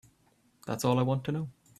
That's all I want to know.